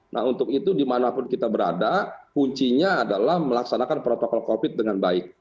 nah untuk itu dimanapun kita berada kuncinya adalah melaksanakan protokol covid dengan baik